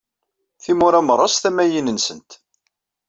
Timura merra s tamayin-nsent.